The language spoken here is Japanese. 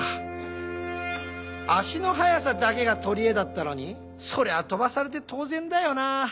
足の速さだけが取りえだったのにそりゃあ飛ばされて当然だよな。